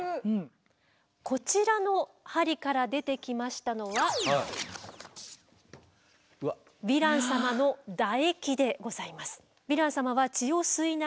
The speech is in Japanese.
こちらの針から出てきましたのはヴィラン様の唾液でございます。